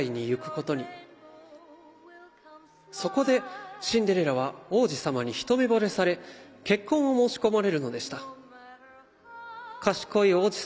そこでシンデレラは王子様に一目ぼれされ結婚を申し込まれるのでした」。